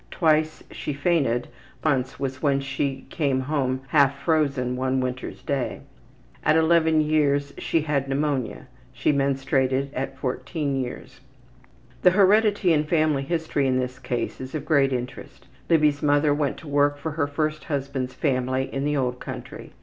Twice she fainted, but once was when she came home half frozen one winter's day. At 11 years she had pneumonia. She menstruated at 14 years. The heredity and family history in this case is of great interest. Libby's mother went to work for her first husband's family in the old country.